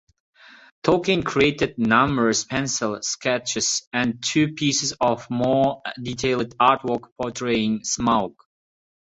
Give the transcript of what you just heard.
Tolkien created numerous pencil sketches and two pieces of more detailed artwork portraying Smaug.